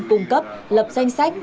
cung cấp lập danh sách